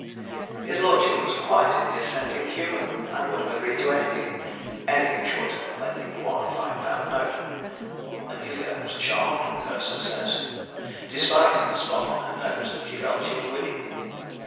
His lordship was quite in the assenting humour, and would have agreed to anything anything short of lending one a five pound note. Amelia was charmed with her success. Despite the spot on her nose, she felt she was winning.